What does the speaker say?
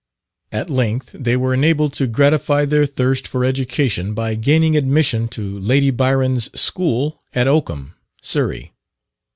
At length they were enabled to gratify their thirst for education by gaining admission to Lady Byron's school at Oakham, Surrey.